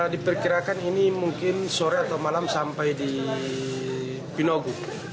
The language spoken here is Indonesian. diperkirakan ini mungkin sore atau malam sampai di pinogu